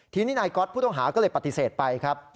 ทีนี้นายก๊อตผู้ต้องหาก็เลยปฏิเสธไปครับ